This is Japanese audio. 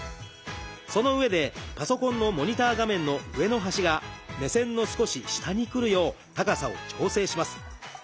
そのうえでパソコンのモニター画面の上の端が目線の少し下に来るよう高さを調整します。